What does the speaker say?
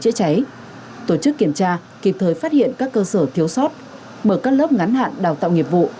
chữa cháy tổ chức kiểm tra kịp thời phát hiện các cơ sở thiếu sót mở các lớp ngắn hạn đào tạo nghiệp vụ